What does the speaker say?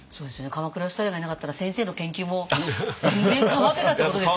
鎌倉芳太郎がいなかったら先生の研究も全然変わってたってことですよね。